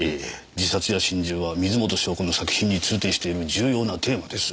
自殺や心中は水元湘子の作品に通底している重要なテーマです。